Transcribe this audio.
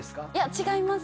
違います。